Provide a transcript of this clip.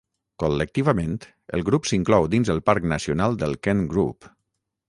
Col·lectivament, el grup s'inclou dins el parc nacional del Kent Group.